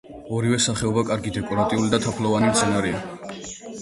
ორივე სახეობა კარგი დეკორატიული და თაფლოვანი მცენარეა.